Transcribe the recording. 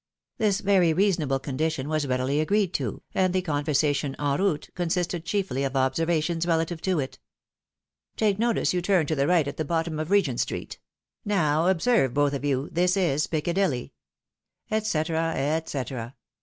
This very reasonable condition was readily agreed to, and the conversation en route consisted chiefly of observations relative to it. " Take notice you turn to the right at the bottom of Regent street." —" Now observe both of you, this is Piccadilly," et cetera, et csetera.